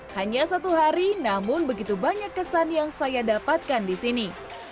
hanya satu hari namun begitu banyak kesan yang saya dapatkan di sini